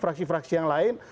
fraksi fraksi yang lain